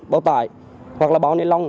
báo tải hoặc là báo nilon